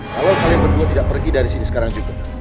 kalau kalian berdua tidak pergi dari sini sekarang juga